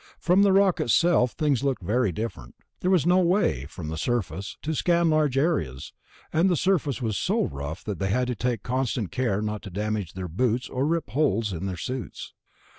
From the rock itself, things looked very different. There was no way, from the surface, to scan large areas, and the surface was so rough that they had to take constant care not to damage their boots or rip holes in their suits.